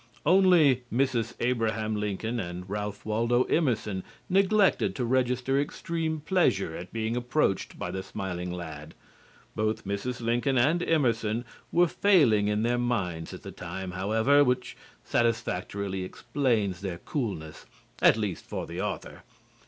Only Mrs. Abraham Lincoln and Ralph Waldo Emerson neglected to register extreme pleasure at being approached by the smiling lad. Both Mrs. Lincoln and Emerson were failing in their minds at the time, however, which satisfactorily explains their coolness, at least for the author.